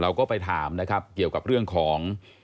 เราก็ไปถามนะครับเกี่ยวกับเรื่องของ